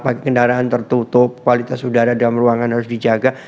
pakai kendaraan tertutup kualitas udara dalam ruangan harus dijaga